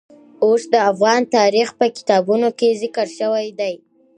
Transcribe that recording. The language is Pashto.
اوښ د افغان تاریخ په کتابونو کې ذکر شوی دي.